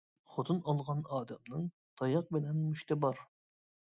خوتۇن ئالغان ئادەمنىڭ، تاياق بىلەن مۇشتى بار.